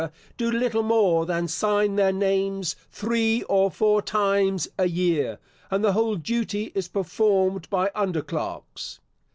do little more than sign their names three or four times a year; and the whole duty is performed by under clerks.